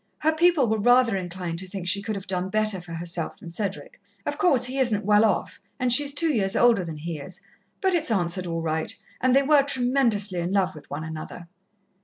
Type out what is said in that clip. Her people were rather inclined to think she could have done better for herself than Cedric. Of course, he isn't well off, and she's two years older than he is. But it's answered all right, and they were tremendously in love with one another."